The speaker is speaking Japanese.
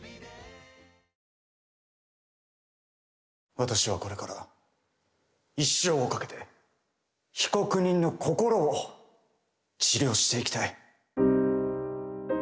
私はこれから一生をかけて被告人の心を治療していきたい。